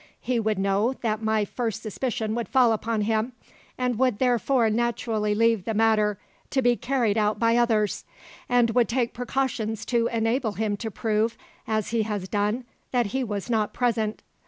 He would know that my first suspicion would fall upon him, and would, therefore, naturally leave the matter to be carried out by others, and would take precautions to enable him to prove, as he has done, that he was not present.